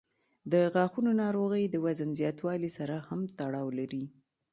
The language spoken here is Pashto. د غاښونو ناروغۍ د وزن زیاتوالي سره هم تړاو لري.